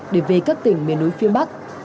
để về các tỉnh miền núi phía bắc